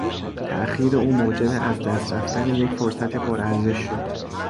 تاخیر او موجب از دست رفتن یک فرصت پرارزش شد.